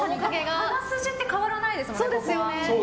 鼻筋って変わらないですもんね。